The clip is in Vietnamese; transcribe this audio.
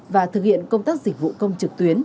và thực hiện công tác dịch vụ công trực tuyến